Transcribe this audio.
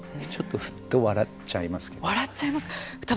ちょっとふっと笑っちゃいますけど。